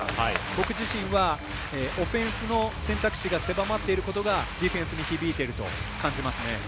僕自身はオフェンスの選択肢が狭まっていることがディフェンスに響いていると感じますね。